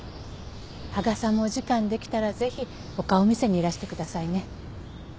羽賀さんもお時間できたらぜひお顔を見せにいらしてくださいね。